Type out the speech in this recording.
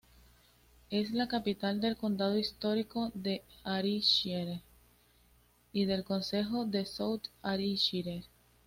Es la capital del condado histórico de Ayrshire y del concejo de South Ayrshire.